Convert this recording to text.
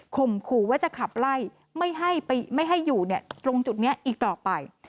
ขู่ว่าจะขับไล่ไม่ให้อยู่ตรงจุดนี้อีกต่อไป